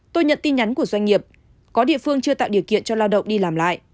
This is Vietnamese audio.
tôi nhận tin nhắn của doanh nghiệp có địa phương chưa tạo điều kiện cho lao động đi làm lại